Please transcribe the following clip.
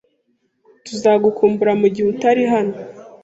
Tuzagukumbura mugihe utari hano.